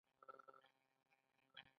دوی کتابچې او پاکټونه جوړوي.